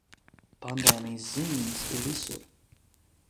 Pandēmijas zīmes ir visur.